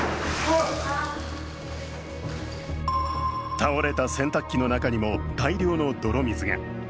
倒れた洗濯機の中にも大量の泥水が。